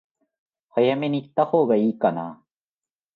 早めに行ったほうが良いかな？